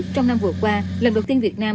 trong năm vừa qua lần đầu tiên việt nam